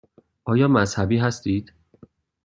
آیا مذهبی هستید؟